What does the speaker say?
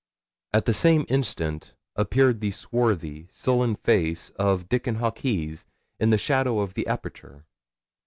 At the same instant appeared the swarthy, sullen face of Dickon Hawkes in the shadow of the aperture.